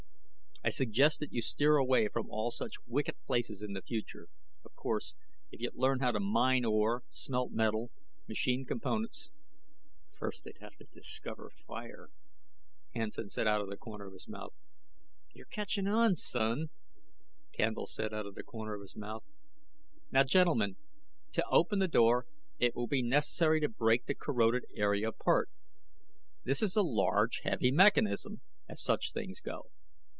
"I suggest that you steer away from all such wicked places in the future. Of course, if you'd learn how to mine ore, smelt metal, machine components " "First they'd have to discover fire," Hansen said out of the corner of his mouth. "You're catching on, son," Candle said, out of the corner of his mouth. "Now, gentlemen, to open the door it will be necessary to break the corroded area apart. This is a large heavy mechanism, as such things go.